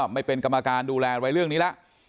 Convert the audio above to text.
ไม่เป็นกรรมการดูแลไว้เรื่องนี้แล้ว